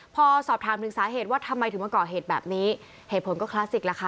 พอสอบถามถึงสาเหตุว่าทำไมถึงมาก่อเหตุแบบนี้เหตุผลก็คลาสสิกล่ะค่ะ